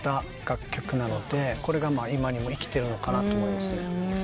これが今にも生きてるのかなと思いますね。